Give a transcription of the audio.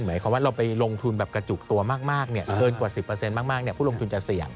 หมายความว่าเราไปลงทุนแบบกระจุกตัวมากเกินกว่า๑๐มากผู้ลงทุนจะเสี่ยง